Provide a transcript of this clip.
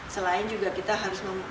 selain juga kita harus